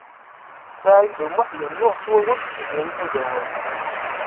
Saɛid U Muḥ yennuɣ s wawal d Tiziri Tagawawt.